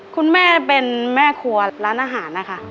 คุณแม่เป็นแม่ครัวร้านอาหารนะคะ